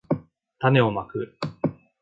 たねをまく